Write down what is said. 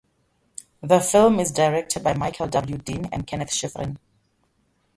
The film is directed by Michael W. Dean and Kenneth Shiffrin.